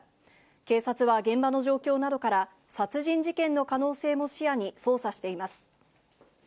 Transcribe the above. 警察は現場の状況などから、殺人事件の可能性も視野に、捜査しています。